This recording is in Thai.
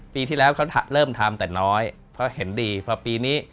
ปีที่แล้วเขาเริ่มทำแต่น้อยเพราะเห็นดีพอปีนี้